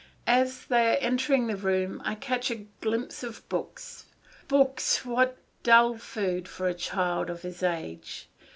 As they are entering the room, I catch a glimpse of books. Books, what dull food for a child of his age!